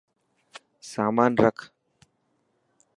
سامان رک.